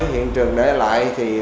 hiện trường để lại thì